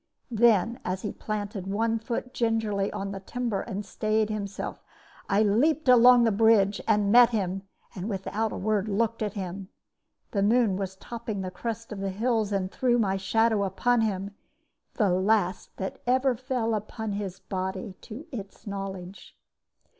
"Then, as he planted one foot gingerly on the timber and stayed himself, I leaped along the bridge and met him, and without a word looked at him. The moon was topping the crest of the hills and threw my shadow upon him, the last that ever fell upon his body to its knowledge.